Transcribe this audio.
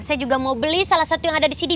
saya juga mau beli salah satu yang ada disini